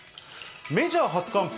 メジャー初完封！